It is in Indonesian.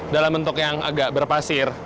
dalam bentuk yang agak berpasir